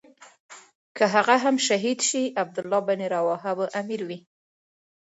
که هغه هم شهید شي عبدالله بن رواحه به امیر وي.